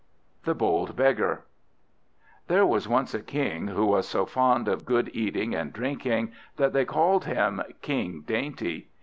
THE BOLD BEGGAR There was once a King who was so fond of good eating and drinking that they called him King Dainty.